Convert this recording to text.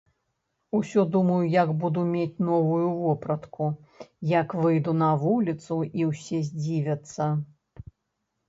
Усё думаю, як буду мець новую вопратку, як выйду на вуліцу і ўсе здзівяцца.